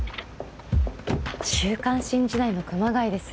「週刊新時代」の熊谷です。